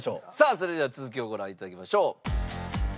さあそれでは続きをご覧頂きましょう。